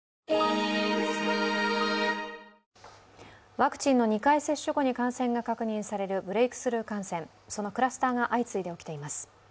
ワクチンの２回接種後に確認されるブレークスルー感染、そのクラスターが相次いで起きています。